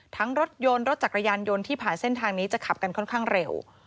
รถยนต์รถจักรยานยนต์ที่ผ่านเส้นทางนี้จะขับกันค่อนข้างเร็ว